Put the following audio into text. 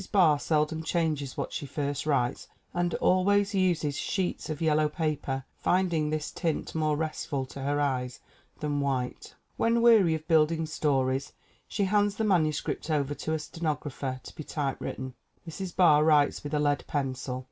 Barr seldom changes what she first writes and always uses sheets of yellow paper, finding this tint more restful to her eyes than white. When weary of building stories she hands the manuscript over to a stenographer to be typewritten. Mrs. Barr writes with a lead pencil.